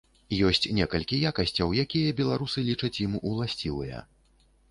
Ёсць некалькі якасцяў, якія беларусы лічаць ім уласцівыя.